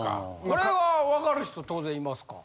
これはわかる人当然いますか？